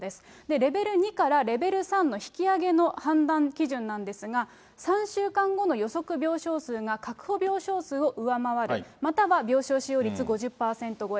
レベル２からレベル３の引き上げの判断基準なんですが、３週間後の予測病床数が確保病床数を上回る、または病床使用率５０％超え。